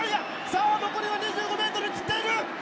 さあ残りは２５メートル切っている！